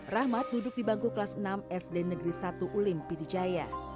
rahmat duduk di bangku kelas enam sd negeri satu ulim pidijaya